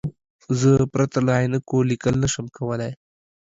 زه پرته له عینکو لیکل نشم کولای.